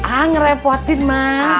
ah ngerepotin emak